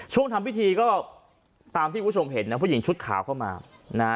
ทำพิธีก็ตามที่คุณผู้ชมเห็นนะผู้หญิงชุดขาวเข้ามานะฮะ